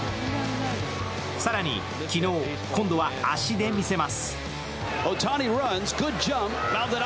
更に昨日、今度は足で見せます。